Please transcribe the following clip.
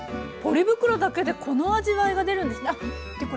ポリ袋だけでこの味わいが出るんですあっ